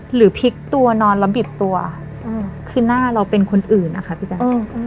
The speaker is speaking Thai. หรือพลิกตัวนอนแล้วบิดตัวคือหน้าเราเป็นคนอื่นนะคะพี่แจ๊ค